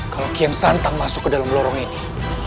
kalau kian santan masuk ke dalam lorong ini